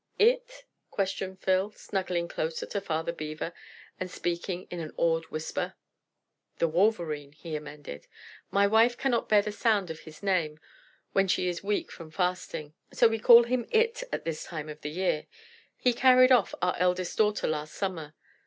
"IT?" questioned Phil, snuggling closer to Father Beaver and speaking in an awed whisper. "The Wolverene," he amended. "My wife cannot bear the sound of his name when she is weak from fasting, so we call him 'IT' at this time of the year. He carried off our eldest daughter last summer.